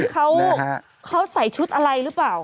เขาใส่ชุดอะไรหรือเปล่า